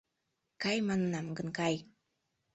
«Кай!» манынам гын, кай!